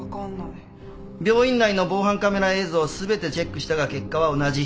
病院内の防犯カメラ映像を全てチェックしたが結果は同じ。